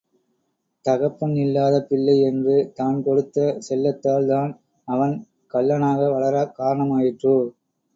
தகப்பன் இல்லாத பிள்ளை என்று, தான் கொடுத்த செல்லத்தால் தான், அவன் கள்ளனாக வளர காரணமாயிற்றோ!